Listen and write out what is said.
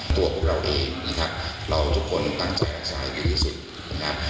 ตัวพวกเราเองทุกคนเราตั้งใจตังใจดีสิบ